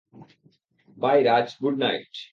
By Raj, good night.